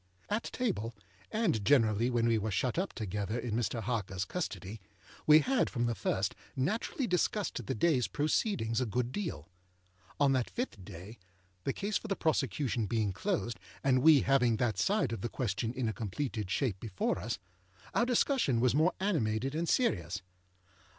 At table, and generally when we were shut up together in Mr. Harkerâs custody, we had from the first naturally discussed the dayâs proceedings a good deal. On that fifth day, the case for the prosecution being closed, and we having that side of the question in a completed shape before us, our discussion was more animated and serious.